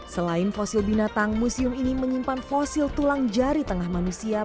selain fosil binatang museum ini menyimpan fosil tulang jari tengah manusia